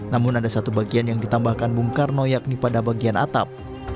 namun ada satu bagian yang ditambahkan bung karno yakni pada bagian atap